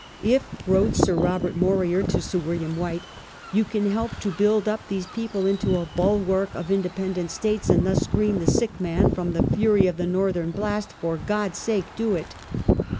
" If," wrote Sir Robert Morier ^ to Sir William White," " you can help to build up these peoples into a bulwark of independent States and thus screen the ' sick man ' from the fury of the Northern blast, for God's sake do it."